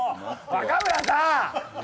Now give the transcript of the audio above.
若村さん！